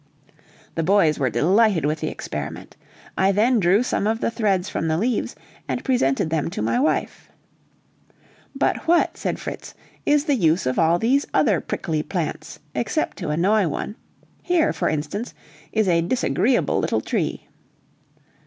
The boys were delighted with the experiment. I then drew some of the threads from the leaves, and presented them to my wife. "But what," said Fritz, "is the use of all these other prickly plants, except to annoy one? Here, for instance, is a disagreeable little tree."